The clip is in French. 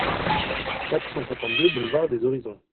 quatre cent cinquante-deux boulevard des Horizons